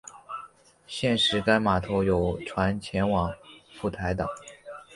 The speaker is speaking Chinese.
现时该码头有船前往蒲台岛。